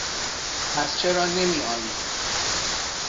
پس چرا نمیآیی؟